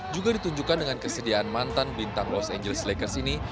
juga ditunjukkan dengan kesediaan mantan bintang los angeles lakers ini